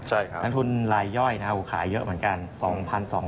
ใช่ครับนังทุนลายย่อยนะครับกูขายเยอะเหมือนกัน